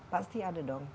pasti ada dong